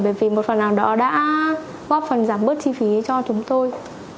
bởi vì một phần nào đó đã góp phần giảm bớt chi phí cho chúng tôi